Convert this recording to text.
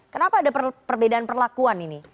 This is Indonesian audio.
kenapa ada perbedaan perlakuan ini